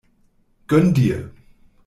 Gönn dir!